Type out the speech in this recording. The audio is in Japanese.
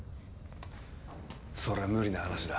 そりゃ無理な話だ。